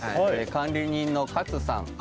管理人の勝さん。